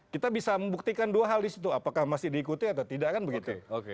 kita bisa membuktikan dua hal di situ apakah masih diikuti atau tidak kan begitu